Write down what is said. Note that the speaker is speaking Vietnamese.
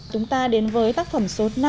chúng ta đến với tác phẩm số năm